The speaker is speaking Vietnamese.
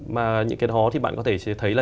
mà những cái đó thì bạn có thể thấy là